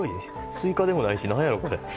スイカでもないし何やろ、これ。